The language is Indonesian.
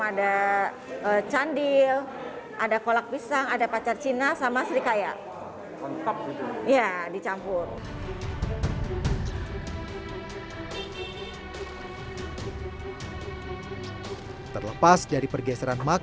ada candil ada kolak pisang ada pacar cina sama serikaya lengkap